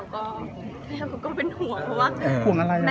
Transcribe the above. แม่เขาก็เป็นห่วงเพราะว่า